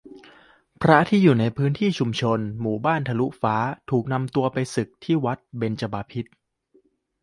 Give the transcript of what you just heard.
พระที่อยู่ในพื้นที่ชุมนุม หมู่บ้านทะลุฟ้า ถูกนำตัวไปสึก ที่วัดเบญจมบพิตร